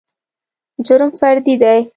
جرم فردي دى.